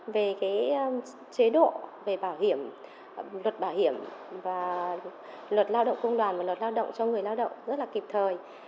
về chế độ về bảo hiểm luật bảo hiểm và luật lao động công đoàn và luật lao động cho người lao động rất là kịp thời